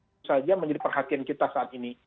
itu saja menjadi perhatian kita saat ini